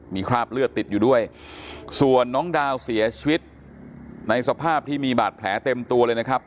มีคราบเลือดติดอยู่ด้วยส่วนน้องดาวเสียชีวิตในสภาพที่มีบาดแผลเต็มตัวเลยนะครับ